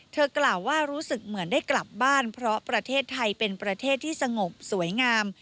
กล่าวว่ารู้สึกเหมือนได้กลับบ้านเพราะประเทศไทยเป็นประเทศที่สงบสวยงาม